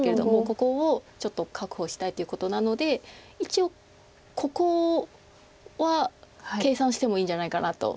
ここをちょっと確保したいということなので一応ここは計算してもいいんじゃないかなと。